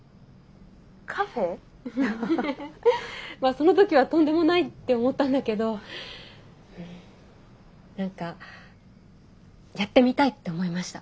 その時はとんでもないって思ったんだけど何かやってみたいって思いました。